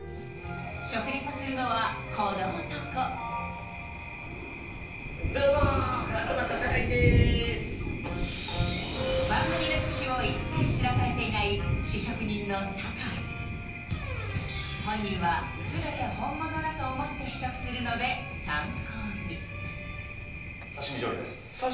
食リポするのはこの男番組の趣旨を一切知らされていない試食人の酒井本人は全て本物だと思って試食するので参考に刺身醤油？